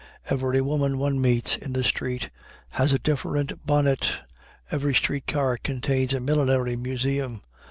Every woman one meets in the street has a different bonnet. Every street car contains a millinery museum.